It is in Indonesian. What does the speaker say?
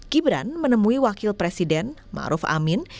gibran menemui wakil presiden maruf amin